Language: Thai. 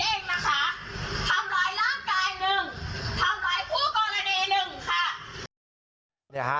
เองนะคะทำร้ายร่างกายหนึ่งทำร้ายผู้กรณีหนึ่งค่ะ